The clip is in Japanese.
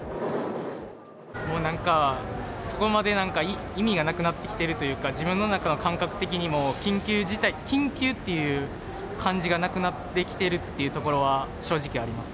もうなんか、そこまでなんか意味がなくなってきてるというか、自分の中の感覚的にも緊急事態、緊急っていう感じがなくなってきてるっていうところは、正直あります。